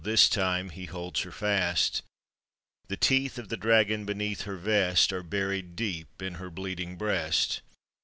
This time he holds her fast; The teeth of the dragon beneath her vest Are buried deep in her bleeding breast.